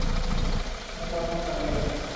তোমার পড়াশোনা চালিয়ে গেলে, সমস্যা কী?